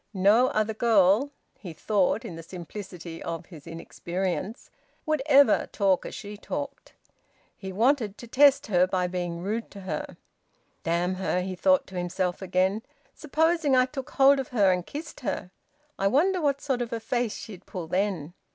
No other girl (he thought, in the simplicity of his inexperience) would ever talk as she talked. He wanted to test her by being rude to her. "Damn her!" he said to himself again. "Supposing I took hold of her and kissed her I wonder what sort of a face she'd pull then!"